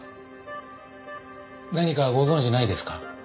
何かご存じないですか？